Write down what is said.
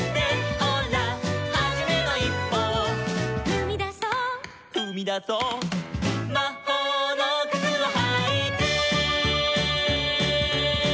「ほらはじめのいっぽを」「ふみだそう」「ふみだそう」「まほうのくつをはいて」